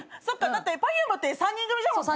だってＰｅｒｆｕｍｅって３人組じゃもんね。